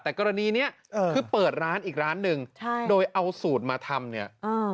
แต่กรณีเนี้ยคือเปิดร้านอีกร้านหนึ่งใช่โดยเอาสูตรมาทำเนี่ยอ่า